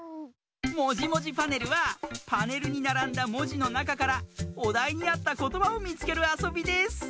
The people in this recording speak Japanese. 「もじもじパネル」はパネルにならんだもじのなかからおだいにあったことばをみつけるあそびです。